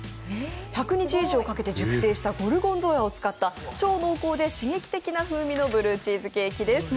１００日以上かけて熟成したゴルゴンゾーラを使った超濃厚で刺激的な風味のブルーチーズケーキです。